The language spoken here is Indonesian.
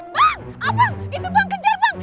bang apa itu bang kejar bang